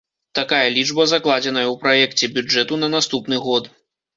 Такая лічба закладзеная ў праекце бюджэту на наступны год.